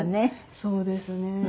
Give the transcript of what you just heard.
そうですね。